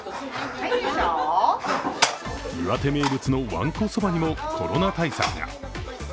岩手名物のわんこそばにも、コロナ対策が。